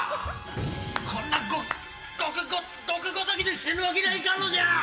こんなごごく毒ごときで死ぬわけにはいかんのじゃ！